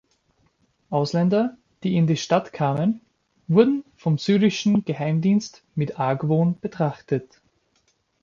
Ausländer, die in die Stadt kamen, wurden vom syrischen Geheimdienst mit Argwohn betrachtet.